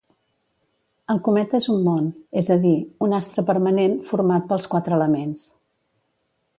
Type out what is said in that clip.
El cometa és un món, és a dir, un astre permanent, format pels quatre elements.